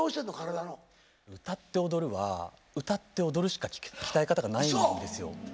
歌って踊るは歌って踊るしか鍛え方がないんですよ。